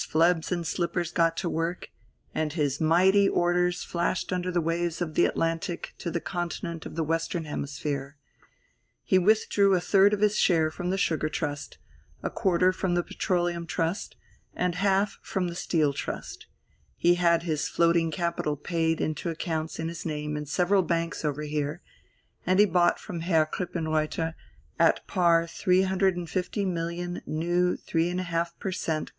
Phlebs and Slippers got to work, and his mighty orders flashed under the waves of the Atlantic to the Continent of the Western Hemisphere. He withdrew a third of his share from the Sugar trust, a quarter from the Petroleum trust, and half from the Steel trust; he had his floating capital paid in to accounts in his name in several banks over here; and he bought from Herr Krippenreuther at par 350,000,000 new 3½ per cent.